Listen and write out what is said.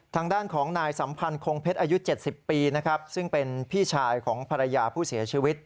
ทางด้านของนายสัมพันธ์คงเพชรอายุ๗๐ปีนะครับซึ่งเป็นพี่ชายของภรรยาผู้เสียชีวิต